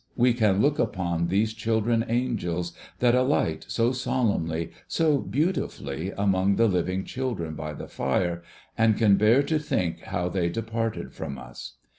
We can look upon these children angels that alight, so solemnly, so beautifully among the living children by the fire, and can bear to think how they departed from us.